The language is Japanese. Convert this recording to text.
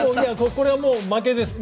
これはもう負けです。